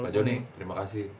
pak junyi terima kasih